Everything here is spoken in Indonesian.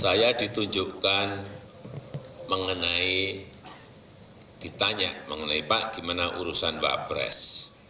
saya ditunjukkan mengenai ditanya mengenai pak gimana urusan pak pres